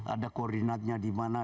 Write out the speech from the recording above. ada koordinatnya di mana